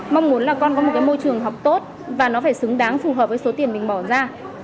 mong muốn là con có một cái môi trường học tốt và nó phải xứng đáng phù hợp với số tiền mình bỏ ra